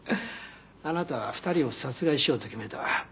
あなたは２人を殺害しようと決めた。